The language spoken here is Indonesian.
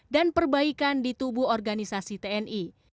dan perbaikan di tubuh organisasi tni